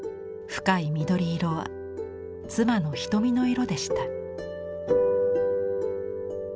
深い緑色は妻の瞳の色でした。